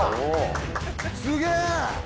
すげえ！